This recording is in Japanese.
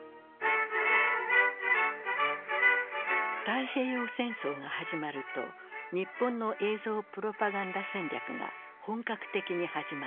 太平洋戦争が始まると日本の映像プロパガンダ戦略が本格的に始まる。